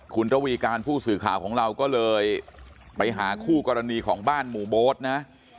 คุณระวีการผู้สื่อข่าวของเราก็เลยไปหาคู่กรณีของบ้านหมู่โบ๊ทนะ